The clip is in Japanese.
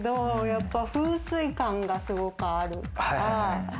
やっぱ風水感がすごくあるから。